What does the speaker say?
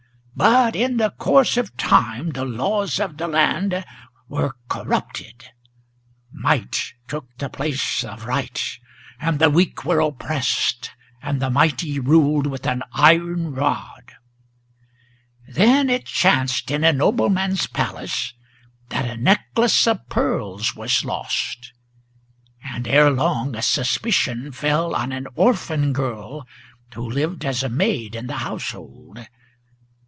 But in the course of time the laws of the land were corrupted; Might took the place of right, and the weak were oppressed, and the mighty Ruled with an iron rod. Then it chanced in a nobleman's palace That a necklace of pearls was lost, and erelong a suspicion Fell on an orphan girl who lived as maid in the household.